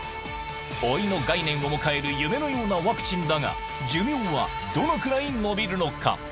老いの概念をも変える夢のようなワクチンだが、寿命はどのくらい延びるのか。